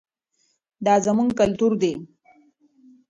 دا زموږ کلتور دی.